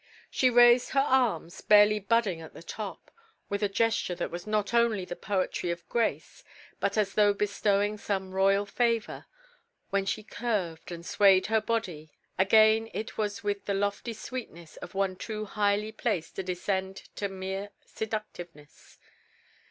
She raised her arms, barely budding at the top, with a gesture that was not only the poetry of grace but as though bestowing some royal favor; when she curved and swayed her body, again it was with the lofty sweetness of one too highly placed to descend to mere seductiveness.